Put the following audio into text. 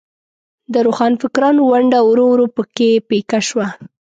د روښانفکرانو ونډه ورو ورو په کې پیکه شوه.